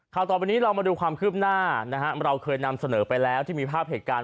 ต่อไปนี้เรามาดูความคืบหน้านะฮะเราเคยนำเสนอไปแล้วที่มีภาพเหตุการณ์